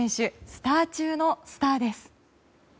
スター中のスターです。